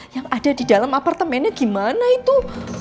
yang ada di dalam apartemennya gimana itu